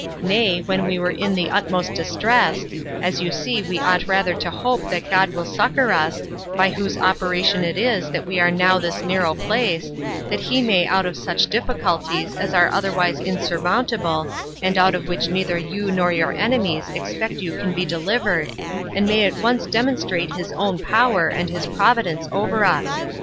Nay, when we are in the utmost distress, as you see we ought rather to hope that God will succor us, by whose operation it is that we are now in this narrow place, that he may out of such difficulties as are otherwise insurmountable and out of which neither you nor your enemies expect you can be delivered, and may at once demonstrate his own power and his providence over us.